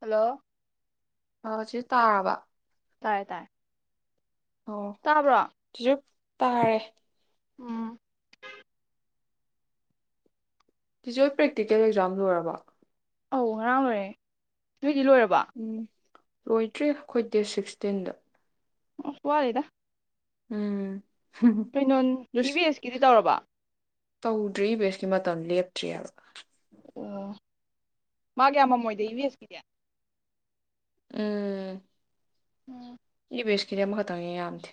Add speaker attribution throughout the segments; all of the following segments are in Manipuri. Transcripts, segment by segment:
Speaker 1: ꯍꯜꯂꯣ
Speaker 2: ꯑ ꯁꯤ ꯇꯥꯔꯕ
Speaker 1: ꯇꯥꯏ ꯇꯥꯏ
Speaker 2: ꯑꯣꯁꯨ ꯇꯥꯔꯦ
Speaker 1: ꯎꯝ
Speaker 2: ꯆꯤꯆꯦꯍꯣꯏ ꯄ꯭ꯔꯦꯛꯇꯤꯀꯦꯜ ꯑꯦꯛꯖꯥꯝ ꯂꯣꯏꯔꯕ
Speaker 1: ꯑꯧ ꯉꯔꯡ ꯂꯣꯏꯔꯦ ꯅꯣꯏꯗꯤ ꯂꯣꯏꯔꯕ
Speaker 2: ꯎꯝ ꯂꯣꯏꯗ꯭ꯔꯤ ꯑꯩꯈꯣꯏ ꯗꯦꯠ ꯁꯤꯛꯁꯇꯤꯟꯗ
Speaker 1: ꯑꯣ ꯋꯥꯠꯂꯤꯗ
Speaker 2: ꯎꯝ
Speaker 1: ꯀꯩꯅꯣ ꯏ
Speaker 2: ꯖꯁ
Speaker 1: ꯚ ꯑꯦꯁꯀꯤꯗꯤ ꯇꯧꯔꯕ
Speaker 2: ꯇꯧꯗ꯭ꯔꯤ ꯏ ꯚꯤ ꯑꯦꯁꯀꯤ ꯃꯇꯝ ꯂꯦꯞꯇ꯭ꯔꯤ ꯍꯥꯏꯕ
Speaker 1: ꯑꯣ ꯃꯥꯒꯤ ꯌꯥꯝꯃꯃꯣꯏꯗ ꯏ ꯚꯤ ꯑꯦꯁꯀꯤꯗꯤ
Speaker 2: ꯎꯝ
Speaker 1: ꯎꯝ
Speaker 2: ꯏ ꯚꯤ ꯕꯦꯁꯀꯤꯗꯤ ꯑꯃꯈꯛꯇꯪꯅꯤ ꯌꯥꯝꯗꯦ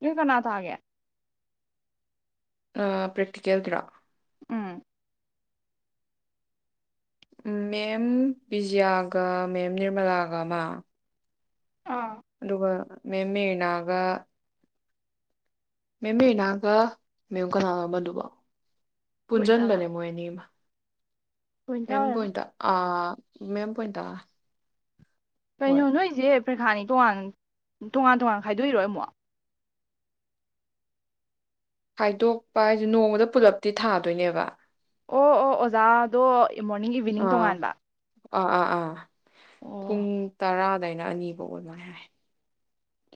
Speaker 1: ꯅꯣꯏ ꯀꯅꯥ ꯇꯥꯒꯦ
Speaker 2: ꯑ ꯄ꯭ꯔꯦꯛꯇꯤꯀꯦꯜꯗ꯭ꯔꯥ
Speaker 1: ꯎꯝ
Speaker 2: ꯃꯦꯝ ꯕꯤꯖꯤꯌꯥꯒ ꯃꯦꯝ ꯅꯤꯔꯃꯂꯥꯒꯃ
Speaker 1: ꯑꯥ
Speaker 2: ꯑꯗꯨꯒ ꯃꯦꯝ ꯃꯦꯔꯤꯅꯒ ꯃꯦꯝꯃꯤꯔꯤꯅꯥꯒ ꯃꯦꯝꯦꯝ ꯀꯅꯥꯅꯣ ꯑꯃꯗꯨꯕꯣ
Speaker 1: ꯒꯣꯏꯟꯇꯥꯔꯥ
Speaker 2: ꯄꯨꯨꯟꯖꯟꯕꯅꯦ ꯃꯣꯏ ꯑꯅꯤꯃꯥ
Speaker 1: ꯒꯣꯏꯟꯇꯥ
Speaker 2: ꯃꯦꯝ
Speaker 1: ꯑꯣꯏꯔꯝꯅꯤ
Speaker 2: ꯕꯨꯏꯟꯇꯔ ꯑꯥ ꯃꯦꯝ ꯕꯣꯏꯟꯇꯥ
Speaker 1: ꯀꯩꯅꯣ ꯅꯣꯏꯁꯦ ꯄ꯭ꯔꯦꯈꯥꯅꯤ ꯇꯣꯉꯥꯟ ꯇꯣꯉꯥꯟ ꯇꯣꯉꯥꯟ ꯈꯥꯏꯗꯣꯛꯏꯔꯣ ꯑꯃꯨꯛ
Speaker 2: ꯈꯥꯏꯗꯣꯛꯄ ꯍꯥꯏꯗꯤ ꯅꯣꯡꯃꯗ ꯄꯨꯜꯂꯞꯇꯤ ꯊꯥꯗꯣꯏꯅꯦꯕ
Speaker 1: ꯑꯣ ꯑꯣ ꯑꯣꯖꯥꯗꯣ ꯃꯣꯔꯅꯤꯡ ꯏꯚꯤꯅꯤꯡ
Speaker 2: ꯑꯥ
Speaker 1: ꯇꯣꯉꯥꯟꯕ
Speaker 2: ꯑꯥ ꯑꯥ ꯑꯥ
Speaker 1: ꯑꯣ
Speaker 2: ꯄꯨꯡ ꯇꯔꯥ ꯗꯩꯅ ꯑꯅꯤꯕꯣꯛ ꯁꯨꯃꯥꯏ ꯍꯥꯏ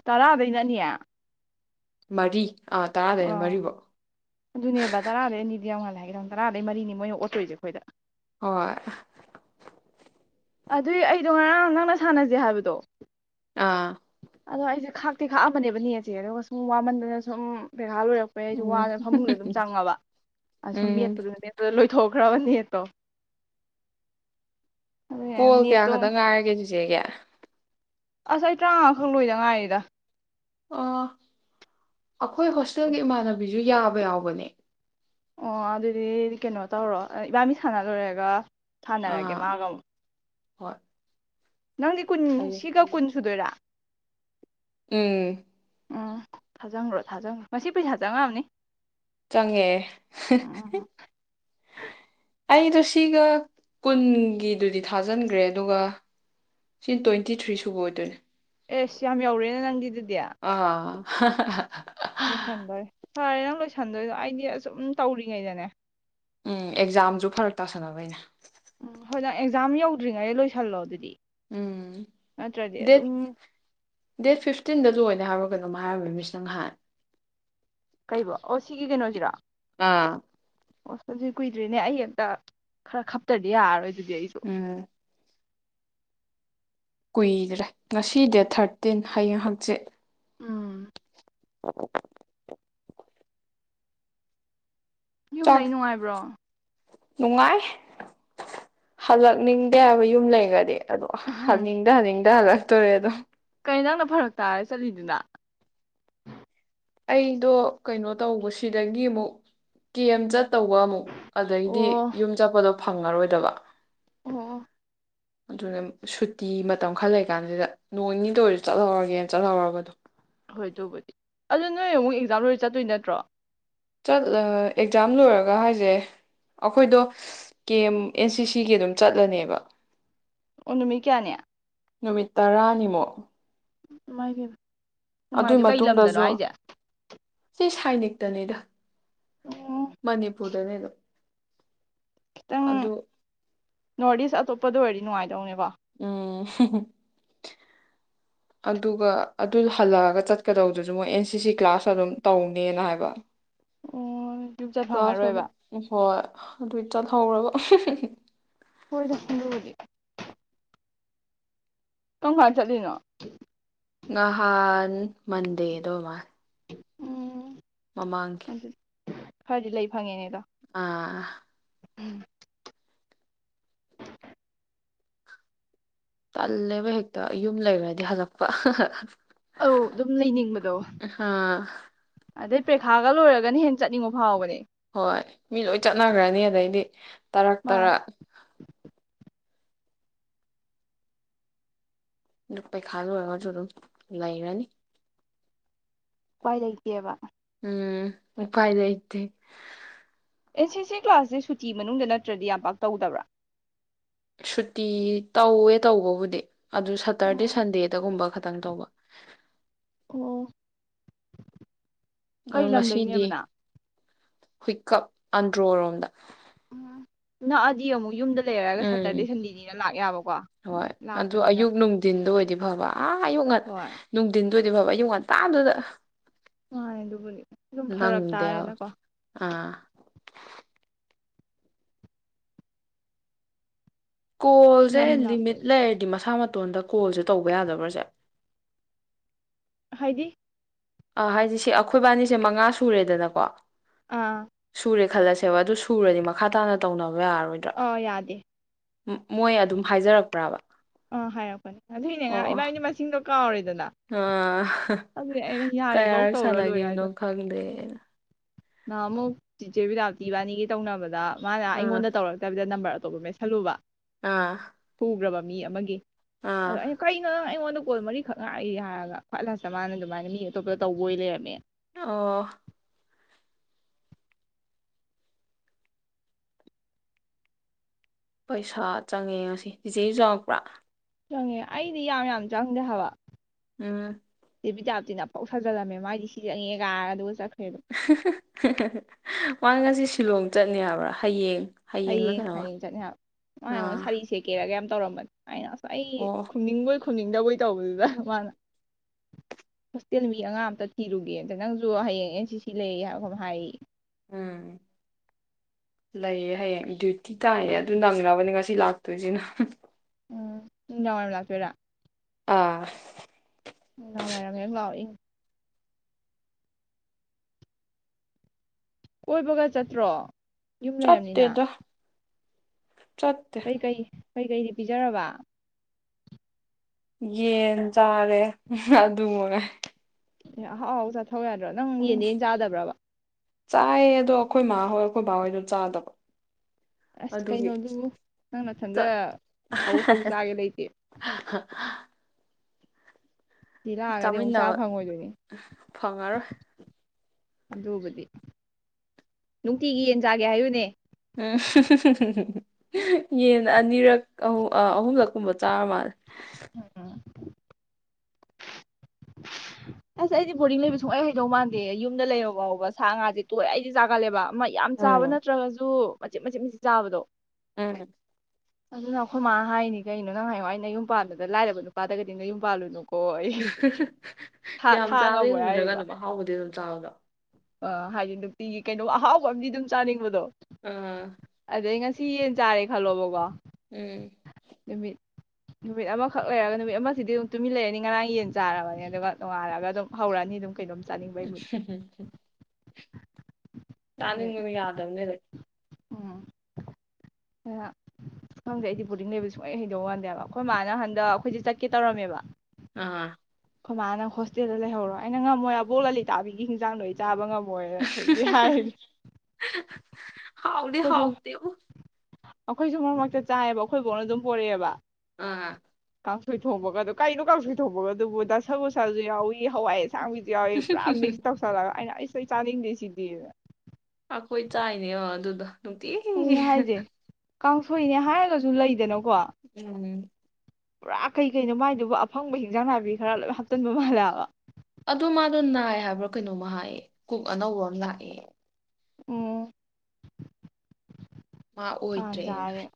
Speaker 1: ꯇꯔꯥꯗꯩꯅ ꯑꯅꯤ
Speaker 2: ꯃꯔꯤ ꯑꯥ ꯇꯔꯥꯗꯩꯅ
Speaker 1: ꯑꯣ
Speaker 2: ꯃꯔꯤꯐꯧ
Speaker 1: ꯑꯗꯨꯅꯦꯕ ꯇꯔꯥꯗꯩꯅ ꯑꯅꯤꯗꯤ ꯌꯥꯝ ꯉꯜꯂꯦ ꯍꯌꯦꯡ ꯇꯔꯥꯗꯩ ꯃꯔꯤꯅꯤ ꯃꯣꯏꯅ ꯑꯣꯠꯇꯣꯏꯁꯦ ꯑꯩꯈꯣꯏꯗ
Speaker 2: ꯍꯣꯏ
Speaker 1: ꯑꯗꯨꯏ ꯑꯩꯗꯣ ꯉꯔꯥꯡ ꯅꯪꯅ ꯁꯥꯟꯅꯖꯦ ꯍꯥꯏꯕꯗꯣ
Speaker 2: ꯑꯥ
Speaker 1: ꯑꯗꯣ ꯑꯩꯁꯦ ꯈꯥꯛꯇꯦ ꯈꯥꯛꯑꯕꯅꯦꯕ ꯅꯦꯠꯁꯦ ꯑꯗꯨꯒ ꯁꯨꯝ ꯋꯥꯃꯟꯗꯅ ꯁꯨꯝ ꯂꯣꯏꯔꯛꯄꯩ ꯑꯩꯁꯨ
Speaker 2: ꯎꯝ
Speaker 1: ꯋꯥꯗꯅ ꯐꯃꯨꯡꯗ ꯑꯗꯨꯝ ꯆꯪꯉꯕ ꯑꯗꯩ ꯁꯨꯝ
Speaker 2: ꯎꯝ
Speaker 1: ꯃꯦꯠꯄ ꯗ ꯃꯦꯠꯄꯗ ꯑꯗꯨꯗ ꯂꯣꯏꯊꯣꯛ ꯈꯔ꯭ꯕꯥ ꯅꯦꯠꯇꯣ ꯑꯗꯨꯅꯦ
Speaker 2: ꯀꯣꯜ ꯀꯌꯥ
Speaker 1: ꯅꯦꯠꯇꯣ
Speaker 2: ꯈꯛꯇꯪ ꯉꯥꯏꯔꯒꯦ ꯁꯤ [unintelligible]
Speaker 1: ꯑꯁ ꯑꯩ ꯇꯔꯥꯉꯥ ꯈꯛ ꯂꯣꯏꯗ ꯉꯥꯏꯔꯤꯗ
Speaker 2: ꯑꯣ ꯑꯈꯣꯏ ꯍꯣꯁꯇꯦꯜꯒꯤ ꯏꯃꯥꯟꯅꯕꯤꯖꯨ ꯌꯥꯕ ꯌꯥꯎꯕꯅꯦ
Speaker 1: ꯑꯣ ꯑꯗꯨꯗꯤ ꯀꯩꯅꯣ ꯇꯧꯔꯣ ꯏꯕꯥꯅꯤ ꯁꯥꯟꯅ ꯂꯣꯏꯔꯒ ꯁꯥꯅꯔꯒꯦ
Speaker 2: ꯑꯥ
Speaker 1: ꯃꯥꯒ ꯑꯃꯨꯛ
Speaker 2: ꯍꯣꯏ
Speaker 1: ꯅꯪꯗꯤ ꯀꯨꯟ
Speaker 2: ꯑꯩ
Speaker 1: ꯁꯤꯒ ꯀꯨꯟ ꯁꯨꯗꯣꯏꯔꯥ
Speaker 2: ꯎꯝ
Speaker 1: ꯎꯝ ꯊꯥꯖꯪꯒꯔꯣ ꯊꯥꯖꯪꯒꯔꯣ ꯉꯁꯤ ꯄꯩꯁꯥ ꯆꯪꯉꯛꯑꯝꯅꯤ
Speaker 2: ꯆꯪꯉꯦ
Speaker 1: ꯎꯝ
Speaker 2: ꯑꯩꯗꯣ ꯁꯤꯒ ꯀꯨꯟꯒꯤꯗꯨꯗꯤ ꯊꯥꯖꯟꯒꯔ꯭ꯦ ꯑꯗꯨꯒ ꯁꯤ ꯇ꯭ꯋꯦꯟꯇꯤ ꯊ꯭ꯔꯤ ꯁꯨꯕ ꯑꯣꯏꯗꯣꯏꯅꯦ
Speaker 1: ꯑꯦꯁ ꯌꯥꯝ ꯌꯧꯔꯦꯅꯦ ꯅꯪꯗꯤ ꯗꯨꯠ
Speaker 2: ꯑꯥ [unintelligible]
Speaker 1: ꯂꯣꯏꯁꯟꯗꯣꯔꯦ ꯐꯔꯦ ꯅꯪ ꯂꯣꯏꯁꯟꯗꯣꯏꯗꯣ ꯑꯩꯗꯤ ꯑꯁꯨꯝ ꯇꯧꯔꯤꯉꯩꯗꯅꯦ
Speaker 2: ꯎꯝ ꯑꯦꯛꯖꯥꯝꯖꯨ ꯐꯔꯛ ꯇꯥꯁꯟꯅꯕꯩꯅꯦ
Speaker 1: ꯎꯝ ꯍꯣꯏ ꯅꯪ ꯑꯦꯛꯖꯥꯝ ꯌꯧꯗ꯭ꯔꯤꯉꯩ ꯂꯣꯏꯁꯜꯂꯣ ꯑꯗꯨꯗꯤ
Speaker 2: ꯎꯝ
Speaker 1: ꯅꯠꯇ꯭ꯔꯗꯤ
Speaker 2: ꯗꯦꯠ
Speaker 1: ꯑꯗꯨꯝ
Speaker 2: ꯗꯦꯠ ꯐꯤꯐꯇꯤꯟꯗ ꯂꯣꯏꯅꯤ ꯍꯥꯏꯕꯔ꯭ ꯀꯩꯅꯣꯝ ꯍꯥꯏꯔꯝꯃꯤ ꯃꯤꯁꯅ ꯉꯥꯍꯥꯟ
Speaker 1: ꯀꯩꯕꯣ ꯑꯣ ꯁꯤꯒꯤ ꯀꯩꯅꯣꯖꯤꯔꯣ
Speaker 2: ꯑꯥ
Speaker 1: ꯑꯣꯁ ꯑꯗꯨꯗꯤ ꯀꯨꯏꯗ꯭ꯔꯤꯅꯦ ꯑꯩ ꯑꯝꯇ ꯈꯔ ꯈꯞꯇꯔꯗꯤ ꯌꯥꯔꯣꯏ ꯗꯨꯗꯤ ꯑꯩꯁꯨ
Speaker 2: ꯎꯝ ꯀꯨꯏꯗ꯭ꯔꯦ ꯉꯁꯤ ꯗꯦꯠ ꯊꯥꯔꯇꯤꯟ ꯍꯌꯦꯡ ꯍꯥꯡꯆꯤꯠ
Speaker 1: ꯎꯝ
Speaker 2: [unintelligible]
Speaker 1: ꯌꯨꯝ
Speaker 2: ꯆꯥꯛ
Speaker 1: ꯂꯩ ꯅꯨꯡꯉꯥꯏꯕ꯭ꯔꯣ
Speaker 2: ꯅꯨꯡꯉꯥꯏ ꯍꯜꯂꯛꯅꯤꯡꯗꯦ ꯍꯥꯏꯕ ꯌꯨꯝ ꯂꯩꯒꯗꯤ ꯑꯗꯣ ꯍꯟꯅꯤꯡꯗ ꯍꯟꯅꯤꯡ ꯗ ꯍꯜꯂꯛꯇꯣꯔꯦ ꯑꯗꯨꯝ
Speaker 1: ꯀꯩ ꯅꯪꯅ ꯐꯔꯛ ꯇꯥꯔ ꯆꯠꯂꯤꯗꯨꯅ
Speaker 2: ꯑꯩꯗꯣ ꯀꯩꯅꯣ ꯇꯧꯕꯁꯤꯗꯒꯤ ꯑꯃꯨꯛ ꯀꯦꯝ ꯆꯠꯇꯧꯕ ꯑꯃꯨꯛ ꯑꯗꯩꯗꯤ
Speaker 1: ꯑꯣ
Speaker 2: ꯌꯨꯝ ꯆꯠꯄꯗꯣ ꯐꯪꯉꯔꯣꯏꯗꯕ
Speaker 1: ꯑꯣ ꯑꯣ
Speaker 2: ꯑꯗꯨꯅ ꯁꯨꯇꯤ ꯃꯇꯝ ꯈꯔ ꯂꯩꯀꯥꯟꯖꯤꯗ ꯅꯣꯏ ꯅꯤꯗ ꯑꯣꯏꯖꯨ ꯆꯠꯂꯧꯔꯒꯦꯅ ꯆꯠꯂꯧꯔꯕ ꯑꯗꯨꯝ
Speaker 1: ꯍꯣꯏ ꯗꯨꯕꯨꯗꯤ ꯑꯗꯨ ꯅꯣꯏ ꯑꯃꯨꯛ ꯑꯦꯛꯖꯥꯝ ꯂꯣꯏꯔ ꯆꯠꯇꯣꯏ ꯅꯠꯇ꯭ꯔꯣ
Speaker 2: ꯆꯠꯂ ꯑꯦꯛꯖꯥꯝ ꯂꯣꯏꯔꯒ ꯍꯥꯏꯖꯦ ꯑꯈꯣꯏꯗꯣ ꯀꯦꯝ ꯑꯦꯟ ꯁꯤ ꯁꯤꯒꯤ ꯑꯗꯨꯝ ꯆꯠꯂꯅꯦꯕ
Speaker 1: ꯑꯣ ꯅꯨꯃꯤꯠ ꯀꯌꯥꯅꯤ
Speaker 2: ꯅꯨꯃꯤꯠ ꯇꯔꯥꯅꯤꯃꯨꯛ
Speaker 1: ꯃꯥꯒꯤ
Speaker 2: ꯑꯗꯨꯒꯤ ꯃꯇꯨꯡꯗꯁꯨ ꯁꯤ ꯁꯥꯏꯅꯤ ꯇꯅꯦꯗ
Speaker 1: ꯑꯣ
Speaker 2: ꯃꯅꯤꯄꯨꯔ ꯐꯔꯅꯤꯅ
Speaker 1: ꯈꯤꯇꯪ
Speaker 2: ꯑꯗꯨ
Speaker 1: ꯅꯣꯔꯠ ꯏꯁ ꯑꯇꯣꯞꯄꯗ ꯑꯣꯏꯗꯤ ꯅꯨꯡꯉꯥꯏꯗꯧꯅꯦꯕ
Speaker 2: ꯎꯝ ꯑꯗꯨꯒ ꯑꯗꯨ ꯍꯜꯂꯛꯑꯒ ꯆꯠꯀꯗꯧꯗꯨꯁꯨ ꯃꯣꯏ ꯑꯦꯟ ꯁꯤ ꯁꯤ ꯀ꯭ꯂꯥꯁ ꯑꯗꯨꯝ ꯇꯧꯅꯦꯅ ꯍꯥꯏꯕ
Speaker 1: ꯑꯣ ꯌꯨꯝ ꯆꯠ
Speaker 2: ꯀ꯭ꯂꯥꯁ
Speaker 1: ꯐꯪꯉꯔꯣꯏꯕ
Speaker 2: ꯍꯣꯏ ꯑꯗꯨ ꯆꯠꯍꯧꯔꯕ
Speaker 1: ꯍꫭꯏꯗ ꯑꯗꯨꯕꯨꯗꯤ ꯀꯥꯝ ꯀꯥꯟꯅ ꯆꯠꯂꯤꯅꯣ
Speaker 2: ꯉꯍꯥꯟ ꯃꯟꯗꯦꯗ ꯑꫭꯏꯃꯥ ꯃꯃꯥꯡꯒꯤ
Speaker 1: ꯈꯗꯤ ꯂꯩ ꯐꯪꯉꯦꯅꯦꯗꯣ
Speaker 2: ꯑꯥ
Speaker 1: ꯎꯝ
Speaker 2: ꯇꯜꯂꯦꯕ ꯍꯦꯛꯇ ꯌꯨꯝ ꯂꯩꯔꯗꯤ ꯍꯜꯂꯛꯄ
Speaker 1: ꯑꯧ ꯑꯗꯨꯝ ꯂꯩꯅꯤꯡꯕꯗꯣ
Speaker 2: ꯑ
Speaker 1: ꯑꯗꯩ ꯄ꯭ꯔꯦꯈꯥꯒ ꯂꯣꯏꯔꯒꯅ ꯍꯦ ꯆꯠꯅꯤꯡꯕ ꯐꯥꯎꯕꯅꯦ
Speaker 2: ꯍꯣꯏ ꯃꯤ ꯂꯣꯏ ꯆꯠꯅꯈ꯭ꯔꯅꯤ ꯑꯗꯩꯗꯤ ꯇꯔꯥ ꯇꯔꯥ
Speaker 1: ꯃꯥꯅꯦ
Speaker 2: ꯅꯨꯨ ꯄꯩꯈꯥ ꯂꫭꯏꯒꯔꯒꯖꯨ ꯑꯗꯨꯝ ꯂꯥꯏꯔꯅꯤ
Speaker 1: ꯎꯄꯥꯏ ꯂꯩꯇꯦꯕ
Speaker 2: ꯎꯝ ꯎꯐꯥꯏ ꯂꯩꯇꯦ
Speaker 1: ꯑꯦꯟ ꯁꯤ ꯁꯤ ꯀ꯭ꯂꯥꯁꯁꯦ ꯁꯨꯇꯤ ꯃꯅꯨꯡꯗ ꯅꯠꯇ꯭ꯔꯗꯤ ꯌꯥꯝ ꯄꯥꯛ ꯇꯧꯗꯕ꯭ꯔꯥ
Speaker 2: ꯁꯨꯇꯤ ꯇꯧꯋꯦ ꯇꯧꯕꯕꯨꯗꯤ ꯑꯗꯨ ꯁꯇꯔꯗꯦ ꯁꯟꯗꯦꯗꯒꯨꯝꯕ ꯈꯇꯪ ꯇꯧꯕ
Speaker 1: [inaudible]
Speaker 2: ꯑꯗꯣ
Speaker 1: ꯀꯩ
Speaker 2: ꯉꯁꯤꯗꯤ
Speaker 1: ꯂꯝꯗꯩꯅꯦꯕꯅ
Speaker 2: ꯍꯨꯏꯀꯞ ꯑꯟꯗ꯭ꯔꯣꯔꯣꯝꯗ
Speaker 1: ꯅꯛꯑꯗꯤ ꯑꯃꯨꯛ ꯌꯨꯝꯗ ꯂꯩꯔꯒ
Speaker 2: ꯎꯝ
Speaker 1: ꯁꯦꯇꯔꯗꯦ ꯁꯟꯗꯦꯅꯤꯅ ꯂꯥꯛ ꯌꯥꯕꯀꯣ ꯎꯝ ꯂꯥꯛꯄꯅꯤꯅ
Speaker 2: ꯐꯕꯥ ꯑꯥ ꯑꯌꯨꯛ ꯉ ꯅꯨꯡꯊꯤꯟꯗ ꯑꯣꯏꯗꯤ ꯐꯕ ꯉꯟꯇ ꯗꯨꯗ
Speaker 1: ꯃꯥꯅꯦ ꯑꯗꯨꯕꯨꯅꯤ ꯑꯗꯨꯝ ꯐꯔꯛ
Speaker 2: ꯅꯪꯗꯦꯕ
Speaker 1: ꯇꯥꯔꯦꯅꯀꯣ
Speaker 2: ꯑꯥ ꯀꯣꯜꯁꯦ
Speaker 1: ꯂꯝ
Speaker 2: ꯂꯤꯃꯤꯠ
Speaker 1: ꯂꯥꯞꯄꯒꯤ
Speaker 2: ꯂꯩꯔꯗꯤ ꯃꯁꯥ ꯃꯥꯇꫭꯝ ꯃꯇꯇꯣꯟꯗ ꯀꯣꯜꯁꯦ ꯇꯧꯕ ꯌꯥꯗꯕ꯭ꯔꯁꯦ
Speaker 1: ꯍꯥꯏꯗꯤ
Speaker 2: ꯑ ꯍꯥꯏꯗꯤ ꯁꯤ ꯑꯩꯈꯣꯏꯕꯥꯅꯤꯁꯦ ꯃꯉꯥ ꯁꯨꯔꯦꯗꯅꯀꯣ
Speaker 1: ꯑꯥ
Speaker 2: ꯁꯨꯔꯦ ꯈꯜꯂꯁꯦꯕ ꯑꯗꯨ ꯁꯨꯔꯗꯤ ꯃꯈꯥ ꯇꯥꯅ ꯇꯧꯅꯕ ꯌꯥꯔꯥ ꯔꫭꯏꯗꯔꫭ
Speaker 1: ꯑꯥ ꯌꯥꯗꯦ
Speaker 2: ꯃꯣꯏ ꯑꯗꯨꯝ ꯍꯥꯏꯖꯔꯛꯄ꯭ꯔꯕ
Speaker 1: ꯑ ꯍꯥꯏꯔꯛꯄꯅꯦ ꯑꯗꯨꯏꯅꯦ ꯉ ꯏꯃꯥ ꯃꯥꯁꯤꯗꯣ ꯀꯧꯔꯦ
Speaker 2: ꯑ ꯀꯌꯥ
Speaker 1: ꯌꯥꯔꯤꯐꯧ ꯇꯧꯔ
Speaker 2: ꯁꯥꯟꯅꯒꯦꯅꯣ ꯈꯪꯗꯦ
Speaker 1: ꯅꯍꯥꯑꯃꯨꯛ ꯆꯤꯆꯦ ꯕꯤꯗꯥꯞ ꯇꯤꯕꯥꯅꯤꯒꯤ ꯇꯧꯅꯕꯗ ꯃꯥꯅ
Speaker 2: ꯑꯥ
Speaker 1: ꯑꯩꯉꯣꯟꯗ ꯇꯧꯔꯛꯇꯕꯤꯗ ꯅꯝꯕꯔ ꯇꯣꯞ ꯃꯦꯁꯜꯂꯨꯕ
Speaker 2: ꯑꯥ
Speaker 1: ꯄꯨꯈ꯭ꯔꯕ ꯃꯤ ꯑꯃꯒꯤ
Speaker 2: ꯑꯥ
Speaker 1: ꯑꯗꯩꯅ ꯀꯩꯅ ꯑꯩꯉꯣꯟ ꯀꯣꯜ ꯃꯔꯤꯈꯛ ꯉꯥꯛꯏ ꯍꯥꯏꯔꯒ ꯐꯠꯂꯥꯁꯇ ꯃꯥꯅ ꯑꯗꯨꯃꯥꯏꯅ ꯃꯤ ꯑꯇꯣꯞꯄꯗ ꯇꯧꯕ ꯑꯣꯏ ꯂꯩꯔꯝꯃꯦ
Speaker 2: ꯑꫭ ꯄꯩꯁꯥ ꯆꯪꯉꯦ ꯉꯁꯤ ꯆꯤꯆꯦ ꯌꯪꯉꯛꯄ꯭ꯔꯥ
Speaker 1: ꯆꯪꯉꯦ ꯑꯩꯗꯤ ꯌꯥꯝ ꯌꯥꯝ ꯆꯪꯗꯦ ꯍꯥꯏꯕ
Speaker 2: ꯑꯝ
Speaker 1: ꯁꯤ ꯄꯤꯖꯥꯞꯇꯤꯅ ꯄꯥꯎ ꯁꯥꯖꯤꯜꯂꯝꯃꯦ ꯃ ꯃꯥꯗꯤ ꯁꯤ ꯆꯪꯉꯦ ꯀꯥꯏꯔꯒ ꯑꯗꯨꯒ ꯆꯠꯈ꯭ꯔꯦ ꯑꯗꯣ
Speaker 2: [unintelligible] ꯃꯥ ꯉꯁꯤ ꯁꯤꯂꯣꯡ ꯆꯠꯅꯦ ꯍꯥꯏꯕ꯭ꯔꯥ ꯍꯌꯦꯡ ꯍꯌꯦꯡꯂ
Speaker 1: ꯍꯌꯦꯡ
Speaker 2: ꯀꯩꯅꯣꯃ
Speaker 1: ꯍꯌꯦꯡ ꯆꯠꯅꯤ ꯍꯥꯏ ꯅꯥꯏꯉꯣꯟꯗ
Speaker 2: ꯑꯥ
Speaker 1: ꯁꯥꯔꯤ ꯁꯦ ꯀꯦꯔꯒ ꯌꯥꯝ ꯇꯧꯔꯝꯕꯅꯦ ꯑꯩꯅ ꯑꯁ ꯑꯩ
Speaker 2: ꯑꯣ
Speaker 1: ꯈꯨꯝꯅꯤꯡꯕꯣꯏ ꯈꯨꯝꯅꯤꯡꯗꯕꯩ ꯇꯧꯕꯗꯨꯗ ꯃꯥꯅ ꯍꯣꯁꯇꯦꯜ ꯃꯤ ꯑꯉꯥꯡ ꯑꯝꯇ ꯊꯤꯔꯨꯒꯦꯗ ꯅꯪꯁꯨ ꯍꯌꯦꯡ ꯑꯦꯟ ꯁꯤ ꯁꯤ ꯂꯩ ꯍꯥꯏ ꯌꯦꯌꯦ
Speaker 2: ꯎꯝ ꯂꯩꯌꯦ ꯍꯥꯏꯌꯦ ꯈꯤ ꯇꯥꯏꯌꯦ ꯑꯗꯨꯝ ꯅꯪꯃꯤꯛꯑꯕꯅꯤ ꯉ ꯂꯥꯛꯇꯣꯏꯖꯤꯅ
Speaker 1: ꯎꯝ ꯃꯤꯗꯥꯡ ꯋꯥꯏꯝ ꯂꯥꯛꯇꫭꯏꯔꯥ
Speaker 2: ꯑꯥ
Speaker 1: ꯅꯨꯡꯗꯡ ꯋꯥꯏꯔꯝ ꯌꯦꯛ ꯂꯥꯛꯑꯣ ꯏꯪꯅ ꯀꯣꯏꯕꯒ ꯆꯠꯇ꯭ꯔꯣ ꯌꯨꯝ ꯂꯩꯔꯕꯅꯤꯅ
Speaker 2: ꯆꯠꯇꯦꯗ ꯆꯠꯇꯦ
Speaker 1: ꯀꯩ ꯀꯩ [inaudible]
Speaker 2: ꯌꯦꯟ ꯆꯥꯔꯦ ꯑꯗꯨꯃꯉꯥꯏ
Speaker 1: ꯑꯍꯥꯎꯥꯎ ꯆꯦ ꯊꯧ ꯌꯥꯗ꯭ꯔꯣ ꯅꯪ ꯌꯦꯟꯗꯩ ꯍꯦꯟꯅ ꯆꯥꯗꯕ꯭ꯔꯕ
Speaker 2: ꯆꯥꯏꯌꯦ ꯑꯗꯣ ꯑꯩꯈꯣꯏ ꯃꯥꯍꯣꯏ ꯑꯩꯈꯣꯏ ꯕꯥꯍꯣꯏꯗꯣ ꯆꯥꯗꯕ
Speaker 1: ꯑꯁ
Speaker 2: ꯑꯗꯨꯒꯤ
Speaker 1: ꯀꯩꯅꯣꯗꯨ ꯅꯪ
Speaker 2: ꯆꯥ
Speaker 1: ꯃꯊꯟꯇ ꯍꯧ ꯍꯧ ꯆꯥꯒꯦ ꯂꯩꯇꯦ ꯁꯤ ꯂꯥꯛꯑꯒꯗꯤ ꯑꯃꯨꯛ ꯆꯥ
Speaker 2: ꯆꯥꯃꯤꯟꯅꯕ
Speaker 1: ꯐꯪꯉꯣꯏꯗꯣꯏꯅꯤ
Speaker 2: ꯐꯪꯉꯔꯣꯏ
Speaker 1: ꯑꯗꯨꯕꯨꯗꯤ ꯅꯨꯡꯇꯤꯒꯤ ꯌꯦꯟ ꯆꯥꯒꯦ ꯍꯥꯏꯌꯨꯅꯦ
Speaker 2: ꯎꯝ ꯌꯦꯟ ꯑꯅꯤꯔꯛ ꯑꯍꯨꯝ ꯑꯍꯨꯝꯂꯛꯀꯨꯝꯕ ꯆꯥꯔ ꯃꯥꯜꯂꯦ ꯑ
Speaker 1: ꯎꯝ ꯑꯁ ꯑꯩꯗꯤ ꯕꯣꯔꯗꯤꯡ ꯂꯩꯕ ꯁꯨꯡꯛꯂꯩ ꯍꯩꯗꯧ ꯃꯥꯟꯗꯦ ꯌꯨꯝꯗ ꯂꯩꯔꯣ ꯉꯥꯎꯕ ꯁꯥ ꯉꯥꯁꯦ ꯇꯣꯏ ꯑꯩꯗꯤ ꯆꯥꯒꯠꯂꯦꯕ ꯌꯥꯝ ꯆꯥꯕ
Speaker 2: ꯎꯝ
Speaker 1: ꯅꯠꯇ꯭ꯔꯒꯁꯨ ꯃꯠꯆꯤꯠ ꯃꯆꯤꯠ ꯆꯥꯕꯗꯣ
Speaker 2: ꯎꯝ
Speaker 1: ꯑꯗꯨꯅ ꯑꯩꯈꯣꯏ ꯃꯥ ꯍꯥꯏꯅꯤ ꯀꯩꯅꯣ ꯅꯪ ꯍꯥꯌꯦꯡꯋꯥꯏ ꯅꯌꯨꯝ ꯄꯥꯜꯕꯗ ꯂꯥꯏꯔꯕ ꯅꯨꯄꯥꯗꯒꯗꯤ ꯅꯌꯨꯝ ꯄꯜꯂꯨꯅꯨꯀꯣ
Speaker 2: ꯌꯥꯝ
Speaker 1: ꯊꯥ
Speaker 2: ꯆꯥꯕ
Speaker 1: ꯉꯝꯃꯣꯏ
Speaker 2: ꯉꯝꯗ꯭ꯔꯒ
Speaker 1: ꯍꯥꯏꯔꯤꯕ
Speaker 2: ꯑꯗꯨꯝ ꯑ ꯍꯥꯎꯕꯗꯤ ꯑꯗꯨꯝ ꯆꯕꯗꯣ
Speaker 1: ꯑ ꯍꯥꯏꯗꯤ ꯅꯨꯡꯇꯤꯒꯤ ꯀꯩꯅꯣ ꯑꯍꯥꯎꯕ ꯑ ꯑꯃꯗꯤ ꯑꯗꯨꯝ ꯆꯥꯅꯤꯡꯕꯗꯣ
Speaker 2: ꯑꯥ
Speaker 1: ꯁꯤꯟ ꯆꯥꯔꯦ ꯈꯂꯣꯕꯀꯣ
Speaker 2: ꯎꯝ
Speaker 1: ꯅꯨꯃꯤꯠ ꯑꯃꯈꯛ ꯂꯩꯔꯒ ꯅꯨꯃꯤꯠ ꯑꯃꯁꯤꯗꯤ ꯑꯗꯨꯝ ꯇꯨꯃꯤꯟ ꯂꯩꯔꯅꯤ ꯉꯔꯥꯡ ꯌꯦꯟ ꯆꯥꯔꯕꯅꯤ ꯑꯗꯨꯒ ꯅꯣꯡꯉꯥꯜꯂꯒ ꯑꯗꯨꯝ ꯍꯧꯔꯛꯑꯅꯤ ꯑꯗꯨꯝ ꯀꯩꯅꯣꯝ ꯆꯥꯅꯤꯡꯕꯩ ꯃꯨꯠꯁꯦ
Speaker 2: ꯎ
Speaker 1: ꯑꯗꯨꯗꯩ
Speaker 2: ꯆꯥꯅꯤꯡꯕꯅꯦ ꯌꯥꯗꯕꯅꯅꯦ ꯑꯗꯨꯝ
Speaker 1: ꯎꯝ ꯈꯪꯗꯦ ꯑꯩꯗꯤ ꯕꯨꯗ꯭ꯔꯤꯡ ꯂꯩꯕ ꯁꯨꯍꯩ ꯍꯩꯅꯗꯧ ꯃꯥꯟꯗꯦ ꯑꯩꯈꯣꯏ ꯃꯥꯅ ꯍꯟꯗꯛ ꯑꯩꯈꯣꯏꯁꯦ ꯆꯠꯀꯦ ꯇꯧꯔꯝꯃꯦꯕ
Speaker 2: ꯑꯥ
Speaker 1: ꯑꯩꯈꯣꯏ ꯃꯥꯅ ꯍꯣꯁꯇꯦꯜꯗ ꯂꯩꯍꯧꯔꯣ ꯑꯩꯅ ꯉꯝꯃꯣꯏ ꯑꯕꯣꯛ ꯂꯂꯤꯛꯇꯥꯥꯕꯤꯒꯤ ꯍꯤꯡꯖꯥꯡꯗꯣ ꯑꯩꯥꯆꯕ ꯉꯝꯃꯣꯏ ꯃꯣꯏ ꯑꯩꯈꯒꯤ ꯍꯥꯏꯅꯤ
Speaker 2: ꯍꯥꯎꯗꯦꯤꯍꯥꯎꯇꯦꯕꯨ
Speaker 1: ꯑꯩꯈꯣꯏꯁꯨ ꯃꯔꯛ ꯃꯔꯛꯇ ꯆꯥꯏꯑꯕ ꯑꯩꯈꯣꯏ ꯕꯣꯛꯅ ꯑꯗꯨꯝ ꯄꯣꯔꯛꯑꯦꯕ
Speaker 2: ꯑ
Speaker 1: ꯀꯥꯡꯁꯣꯏ ꯊꯣꯡꯕꯒꯗꯣ ꯀꯩꯅꯣ ꯀꯥꯡꯁꯣꯏ ꯊꯣꯡꯕꯒꯗꯣ ꯑꯗꯨꯕꯨ ꯗꯁꯥꯀꯨꯁꯥꯁꯨ ꯌꯥꯎꯏꯤ ꯍꯋꯥꯏ ꯥꯑꯁꯡꯕꯤꯁꯨ ꯄꯨꯔꯥ ꯃꯤꯛꯁ ꯇꯧꯁꯂꯒ ꯆꯥꯅꯤꯡꯗꯦ ꯁꯤꯗꯤ
Speaker 2: ꯑꯩꯈꯣꯏ ꯆꯥꯏꯅꯦ ꯌꯦꯡꯉꯣ ꯑꯗꯨꯗꯣ
Speaker 1: ꯑꯗꯨꯅ
Speaker 2: ꯅꯨꯡꯇꯤꯒꯤ
Speaker 1: ꯍꯥꯏꯁꯦ ꯀꯥꯡꯁꯣꯏꯅꯦ ꯍꯥꯏꯔꯒꯁꯨ ꯂꯩꯗꯅ
Speaker 2: ꯎꯝ
Speaker 1: ꯄꯨꯔꯥ ꯀꯩꯀꯩꯅꯣ ꯃꯥꯏꯗꯨꯕꯨ ꯑꯐꯪꯕ ꯍꯤꯟꯖꯥꯡ ꯅꯥꯄꯤ ꯈꯔ ꯂꯣꯏ ꯍꯥꯞꯆꯤꯟꯕ ꯃꯥꯜꯂꯦꯕ
Speaker 2: ꯑꯗꯨ ꯃꯥꯗꯣ ꯅꯥꯏ ꯍꯥꯏꯕ꯭ꯔꯥ ꯀꯩꯅꯣꯝꯃ ꯍꯥꯏꯌꯦ ꯀꯣꯛ ꯑꯅꯧꯕ ꯑꯃ ꯂꯥꯛꯑꯦ
Speaker 1: ꯑꯣ
Speaker 2: ꯃꯥ ꯑꯣꯏꯗ꯭ꯔꯦꯅ ꯍꯥꯏ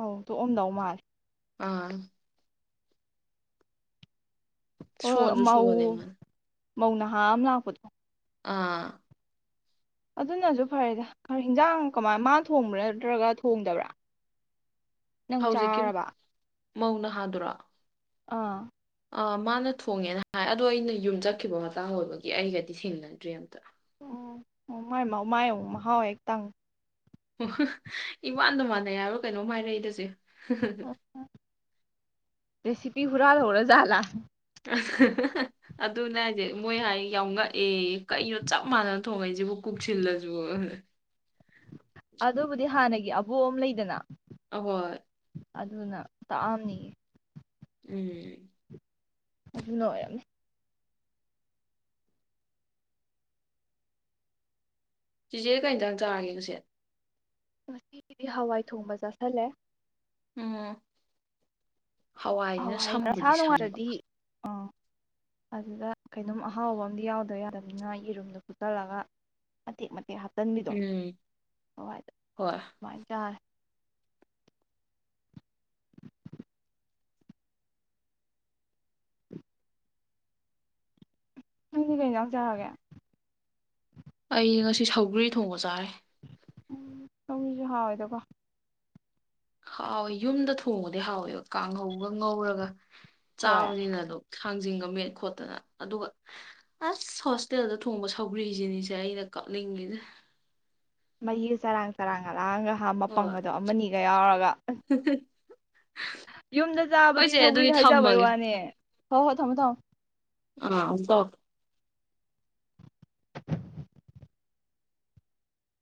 Speaker 1: ꯑꯧ ꯇꯣꯛꯑꯝꯗꯧ ꯃꯥꯥ
Speaker 2: ꯑꯥ
Speaker 1: ꯑ
Speaker 2: ꯁꯣꯟꯁꯨ
Speaker 1: ꯃꯧ
Speaker 2: ꯁꯣꯜꯂꯦ ꯃꯥꯅ
Speaker 1: ꯃꯧ ꯅꯍꯥ ꯑꯃ ꯂꯥꯛꯄꯗꯣ
Speaker 2: ꯑꯥ
Speaker 1: ꯑꯗꯨꯅꯁꯨ ꯐꯔꯦꯗ ꯈꯔ ꯍꯤꯟꯖꯥꯡ ꯀꯃꯥꯏ ꯃꯥ ꯊꯣꯡꯕ꯭ꯔꯥ ꯅꯠꯇ꯭ꯔꯒ ꯊꯣꯡꯗꯕ꯭ꯔꯥ ꯅꯪ
Speaker 2: ꯍꯧꯖꯤꯛꯀꯤ
Speaker 1: ꯆꯥꯔꯕ
Speaker 2: ꯃꯧ ꯅꯍꯥꯗꯣꯔ
Speaker 1: ꯑꯥ
Speaker 2: ꯃꯥꯅ ꯊꯣꯡꯉꯦꯅ ꯍꯥꯏ ꯑꯗꯣ ꯑꯩꯅ ꯌꯨꯝ ꯆꯠꯈꯤꯕ ꯃꯇꯥꯡ ꯑꯣꯏꯕꯒꯤ ꯑꯩꯒꯗꯤ ꯊꯦꯡꯅꯗ꯭ꯔꯤ ꯑꯝꯇ
Speaker 1: ꯎꯝ ꯃꯃꯥꯏ ꯃꯥꯏ ꯑꯃꯨꯛ ꯃꯥꯍꯥꯎ ꯌꯦꯛꯇꯪ
Speaker 2: ꯎ ꯏꯃꯥꯟꯗ ꯃꯥꯟꯅ ꯌꯥꯔꯣ ꯀꯩꯅꯣꯝ ꯍꯥꯏꯔꯛꯏꯗ ꯆꯦ [unintelligible]
Speaker 1: ꯄꯤ ꯍꯨꯔꯟꯍꯧꯔ ꯆꯜꯂ
Speaker 2: [unintelligible] ꯑꯗꯨꯅꯦ ꯍꯥꯏꯁꯦ ꯃꯣꯏ ꯍꯥꯏ ꯌꯥꯝ ꯉꯛꯑꯦ ꯀꯩꯅꯣ ꯆꯞ ꯃꯥꯟꯅꯅ ꯊꯣꯡꯉꯛꯏꯁꯤꯕꯨ ꯀꯨꯞꯁꯤꯜꯂꯁꯨ
Speaker 1: ꯑꯗꯨꯕꯨꯗꯤ ꯍꯥꯟꯅꯒꯤ ꯕꯣ ꯑꯃ ꯂꯩꯗꯅ
Speaker 2: ꯑꯍꫭꯏ
Speaker 1: ꯑꯗꯨꯅ ꯇꯥꯛꯑꯝꯅꯤꯌꯦ
Speaker 2: ꯎꯝ
Speaker 1: ꯑꯗꯨꯅ ꯑꫭꯏꯔꯝꯅꯤ
Speaker 2: ꯆꯤꯆꯦ ꯀꯔꯤꯏꯟꯖꯡ ꯆꯥꯔꯒꯦ ꯉꯁꯤ
Speaker 1: ꯉꯁꯤꯒꯤꯗꯤ ꯍꯋꯥꯏ ꯊꯣꯡꯕ ꯆꯥꯥꯁꯜꯂꯦ
Speaker 2: ꯎꯝ ꯍꯋꯥꯏꯁꯤꯅ
Speaker 1: ꯍꯋꯥꯏ
Speaker 2: ꯁꯝꯕꯨꯗꯤ
Speaker 1: ꯏꯁꯥ
Speaker 2: ꯁꯝꯕ
Speaker 1: ꯅꯨꯡꯉꯥꯏꯇ꯭ꯔꯗꯤ ꯑꯥ ꯑꯗꯨꯗ ꯀꯩꯅꯣꯝ ꯑꯍꯥꯎꯕ ꯑꯝ ꯌꯥꯎꯗꯕ ꯌꯥꯗꯅꯤꯅ ꯌꯦꯔꯨꯝꯗꯣ ꯐꯆꯜꯂꯒ ꯃꯇꯦꯛ ꯃꯇꯦꯛ ꯍꯥꯞ ꯆꯟꯕꯤꯗꯣ
Speaker 2: ꯎꯝ
Speaker 1: ꯍꯋꯥꯏꯗ
Speaker 2: ꯍꯣꯏ
Speaker 1: ꯑꯗꯨꯨꯃꯥꯏꯅ ꯆꯥꯔꯦ ꯅꯪꯗꯤ ꯀꯩ ꯏꯟꯖꯡ ꯆꯥꯒꯦ
Speaker 2: ꯑꯩ ꯉꯁꯤ ꯁꯥꯎꯒ꯭ꯔꯤ ꯊꯣꯡꯕ ꯆꯥꯔꯦ
Speaker 1: ꯁꯧꯒꯤꯁꯨ ꯍꯥꯎꯋꯦꯗꯀꯣ
Speaker 2: ꯍꯥꯎꯋꯦ ꯌꯨꯝꯗ ꯊꯣꯡꯉꯗꯤ ꯍꯥꯎꯋꯦ ꯀꯥꯡꯍꯧꯒ ꯉꯧꯔꯒ
Speaker 1: ꯍꯣꯏ
Speaker 2: ꯆꯥꯕꯅꯤꯅ ꯑꯗꯨꯝ ꯊꯥꯡꯖꯤꯡꯒ ꯃꯦꯠ ꯈꯣꯠꯇꯅ ꯑꯗꯨꯒ ꯑꯁ ꯍꯣꯁꯇꯦꯜꯗ ꯊꯣꯡꯕ ꯁꯧꯒ꯭ꯔꯤꯁꯤꯅꯤꯁꯦ ꯑꯩꯅ ꯀꯝꯅꯤꯡꯉꯤꯁꯤ
Speaker 1: ꯃꯍꯤ ꯆꯔꯥꯡ ꯆꯔꯥꯡ ꯉꯥꯡꯒ ꯍꯥ
Speaker 2: ꯍꯣꯏ
Speaker 1: ꯃꯄꯪꯒꯗꯣ ꯑꯃꯅꯤꯅꯤꯒ ꯌꯥꯎꯔꯒ ꯌꯨꯝꯗ
Speaker 2: ꯍꯣꯏ
Speaker 1: ꯆꯥꯕꯗꯤ
Speaker 2: ꯆꯦ
Speaker 1: ꯁꯧꯒ꯭ꯔꯤ
Speaker 2: ꯑꯗꯨꯗꯤ
Speaker 1: ꯍꯥꯏꯖꯕꯩ
Speaker 2: ꯊꯝꯃꯒꯦ
Speaker 1: ꯋꯥꯅꯦ ꯍ ꯍꯣꯏ ꯊꯝꯃꯣ ꯊꯝꯃꯣ
Speaker 2: ꯑ